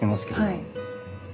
はい。